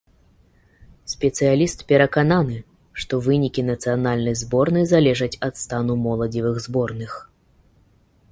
Спецыяліст перакананы, што вынікі нацыянальнай зборнай залежаць ад стану моладзевых зборных.